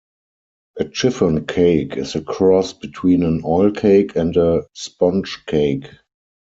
A chiffon cake is a cross between an oil cake and a sponge cake.